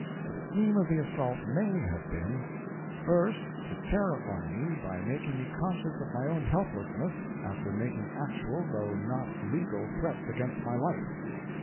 The scheme of the assault may have been: First—To terrify me by making me conscious of my own helplessness after making actual though not legal threats against my life.